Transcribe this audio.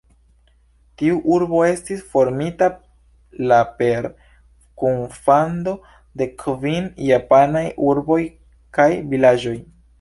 Tiu urbo estis formita la per kunfando de kvin japanaj urboj kaj vilaĝoj.